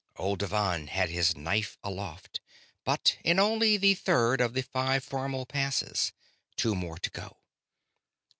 Old Devann had his knife aloft, but in only the third of the five formal passes. Two more to go.